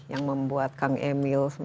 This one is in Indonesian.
yang membuat kang emil